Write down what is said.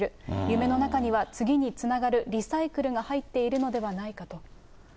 夢の中には、次につながるリサイクルが入っているのではないかと。